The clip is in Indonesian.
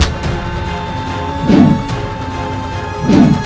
aku akan menang